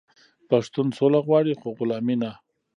پښتون سوله غواړي خو غلامي نه.